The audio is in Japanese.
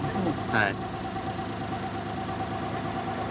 はい。